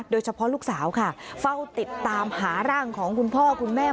ลูกสาวค่ะเฝ้าติดตามหาร่างของคุณพ่อคุณแม่